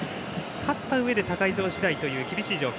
勝ったうえで他会場次第という厳しい状況。